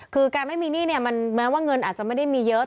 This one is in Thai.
คือการไม่มีหนี้เนี่ยมันแม้ว่าเงินอาจจะไม่ได้มีเยอะ